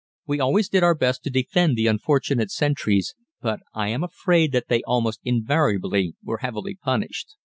We always did our best to defend the unfortunate sentries, but I am afraid that they almost invariably were heavily punished.